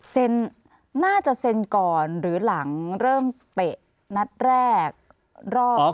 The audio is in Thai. น่าจะเซ็นก่อนหรือหลังเริ่มเตะนัดแรกรอบ